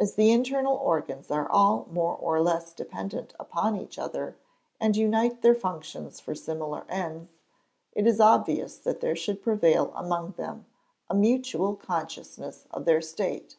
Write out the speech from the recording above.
As the internal organs are all more or less dependent upon each other, and unite their functions for similar ends, it is obvious that there should prevail among them a mutual consciousness of their state.